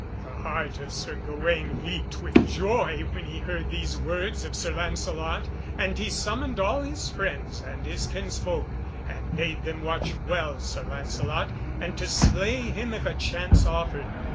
The heart of Sir Gawaine leaped with joy when he heard these words of Sir Lancelot, and he summoned all his friends and his kinsfolk, and bade them watch well Sir Lancelot, and to slay him if a chance offered.